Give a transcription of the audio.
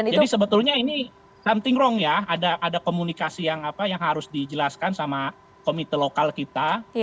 jadi sebetulnya ini something wrong ya ada komunikasi yang harus dijelaskan sama komite lokal kita